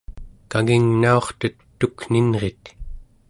kangingnaurtet tukninrit